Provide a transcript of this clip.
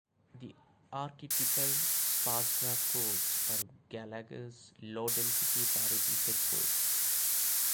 The archetypal sparse-graph codes are Gallager's low-density parity-check codes.